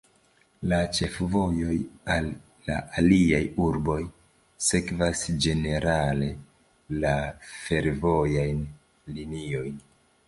La ĉefvojoj al la aliaj urboj sekvas ĝenerale la fervojajn liniojn.